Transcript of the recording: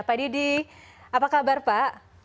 pak didi apa kabar pak